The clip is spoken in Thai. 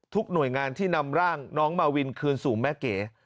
หน่วยงานที่นำร่างน้องมาวินคืนสู่แม่เก๋